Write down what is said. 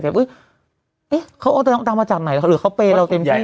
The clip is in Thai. แต่อุ๊ยเอ๊ะเขาเอาตามมาจัดไหนล่ะเหรอเขาเปรย์เราเต็มที่